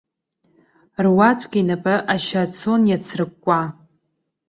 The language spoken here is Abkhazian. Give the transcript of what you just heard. Руаӡәк инапы ашьа цон иаацрыкәкәа!